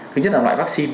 thứ nhất là loại vaccine